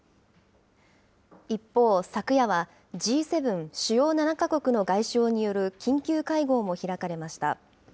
一方、昨夜は、Ｇ７・主要７か国の外相による緊急会合も開かれました。